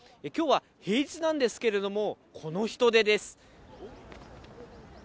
きょうは平日なんですけれども、この人出です。